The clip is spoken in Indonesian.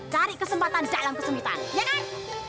cari kesempatan di dalam kesemitan ya kan